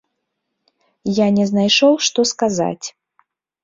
Я не знайшоў, што сказаць.